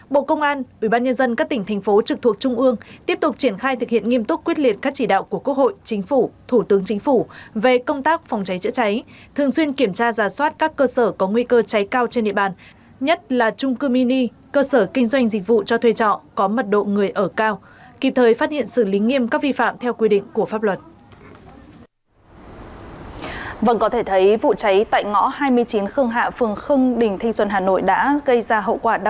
ba bộ công an ủy ban nhân dân các tỉnh thành phố trực thuộc trung ương tiếp tục triển khai thực hiện nghiêm túc quyết liệt các chỉ đạo của quốc hội chính phủ thủ tướng chính phủ về công tác phòng cháy chữa cháy thường xuyên kiểm tra rà soát các chi phạm theo quy định của pháp luật